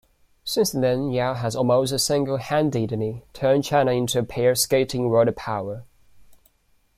Since then Yao has almost single-handedly turned China into a pair skating world power.